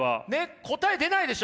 答え出ないでしょ？